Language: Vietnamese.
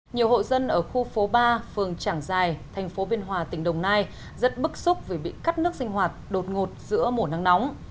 nhiều hộ dân ở khu phố ba phường trảng giài thành phố biên hòa tỉnh đồng nai rất bức xúc vì bị cắt nước sinh hoạt đột ngột giữa mùa nắng nóng